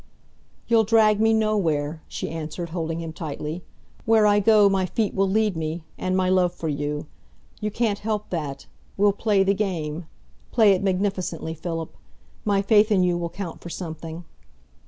"You'll drag me nowhere," she answered, holding him tightly. "Where I go my feet will lead me, and my love for you. You can't help that. We'll play the game play it magnificently, Philip. My faith in you will count for something."